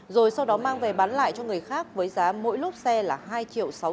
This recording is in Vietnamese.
rồi sau đó mang về bán lại cho người khác với giá mỗi lốp xe là hai triệu sáu trăm năm mươi nghìn đồng